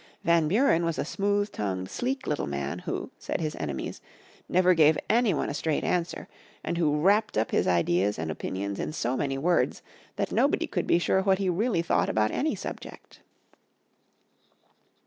Van Buren was a smooth tongued, sleek little man who, said his enemies, never gave any one a straight answer, and who wrapped up his ideas and opinions in so many words that nobody could be sure what he really thought about any subject.